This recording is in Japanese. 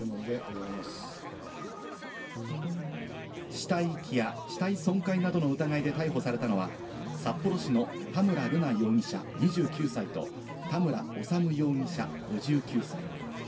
死体遺棄や死体損壊などの疑いで逮捕されたのは札幌市の田村瑠奈容疑者・２９歳と、田村修容疑者・５９歳。